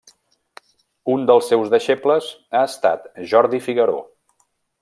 Un dels seus deixebles ha estat Jordi Figaró.